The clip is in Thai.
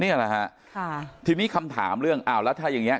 นี่แหละฮะค่ะทีนี้คำถามเรื่องอ้าวแล้วถ้าอย่างเงี้